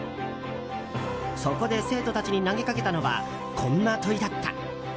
そこで生徒たちに投げかけたのはこんな問いだった。